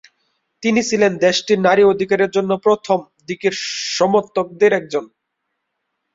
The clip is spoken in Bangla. তিনি ছিলেন দেশটির নারী অধিকারের জন্য প্রথম দিকের সমর্থকদের একজন।